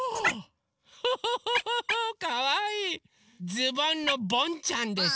ズボンのボンちゃんです。